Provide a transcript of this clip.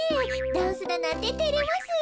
ダンスだなんててれますよ。